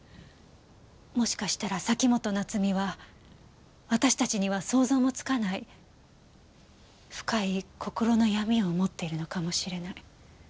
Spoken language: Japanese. もしかしたら崎本菜津美は私たちには想像もつかない深い心の闇を持っているのかもしれない。